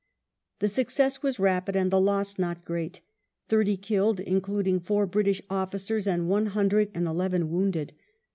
The success was rapid and the loss not great — thirty killed, including four British officers, and one hundred and eleven wounded.